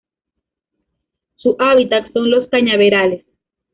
Su hábitat son los cañaverales.